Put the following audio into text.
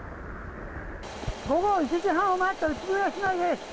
午後１時半を回った宇都宮市内です。